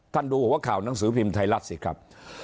ดูหัวข่าวหนังสือพิมพ์ไทยรัฐสิครับ